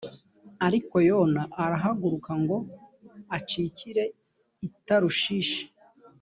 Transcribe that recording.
ariko yona arahaguruka ngo acikire i tarushishi